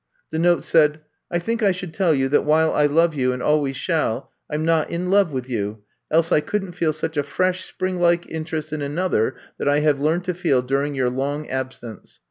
The note said : I think I should tell you that while I love you and always shall, I 'm not in love with you, else I could n 't feel such a fresh, springlike interest in another that I have learned to feel during your long absence.